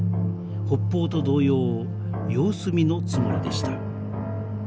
北方と同様様子見のつもりでした。